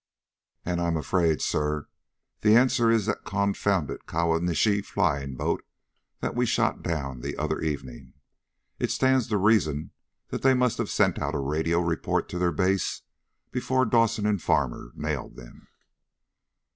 And I'm afraid, sir, the answer is that confounded Kawanishi flying boat that we shot down the other evening. It stands to reason that they must have sent out a radio report to their base before Dawson and Farmer nailed them."